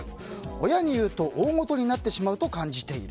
親に言うと大ごとになってしまうと感じている。